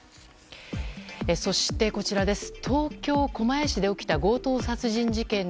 そして、東京・狛江市で起きた強盗殺人事件の